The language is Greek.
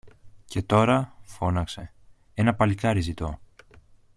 Και τώρα, φώναξε, ένα παλικάρι ζητώ